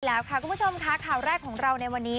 คุณผู้ชมคะข่าวแรกของเราในวันนี้